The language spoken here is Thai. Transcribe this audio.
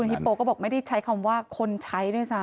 ฮิปโปก็บอกไม่ได้ใช้คำว่าคนใช้ด้วยซ้ำ